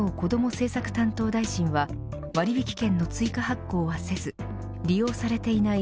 政策担当大臣は割引券の追加発行はせず利用されていない